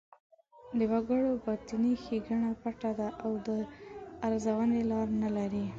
د وګړو باطني ښېګڼه پټه ده او د ارزونې لاره نه لري.